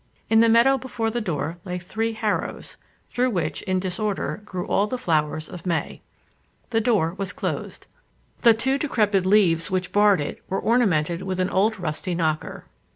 In the meadow before the door lay three harrows, through which, in disorder, grew all the flowers of May. The door was closed. The two decrepit leaves which barred it were ornamented with an old rusty knocker.